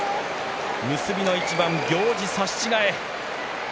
結びの一番、行司差し違え。